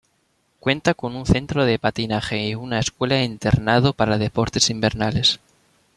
Cuenta con un centro de patinaje y una escuela internado para deportes invernales.